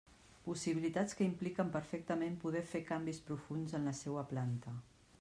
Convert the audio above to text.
Possibilitats que impliquen perfectament poder fer canvis profunds en la seua planta.